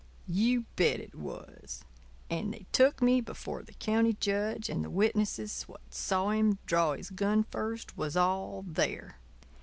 "You bet it was. And they took me before the county judge; and the witnesses what saw him draw his gun first was all there.